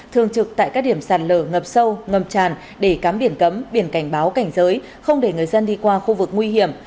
thường trực tại các điểm sạt lở ngập sâu ngập tràn để cắm biển cấm biển cảnh báo cảnh giới không để người dân đi qua khu vực nguy hiểm